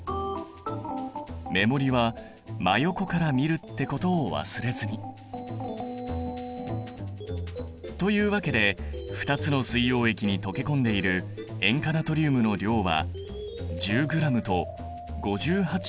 目盛りは真横から見るってことを忘れずに。というわけで２つの水溶液に溶け込んでいる塩化ナトリウムの量は１０ｇと５８．５ｇ。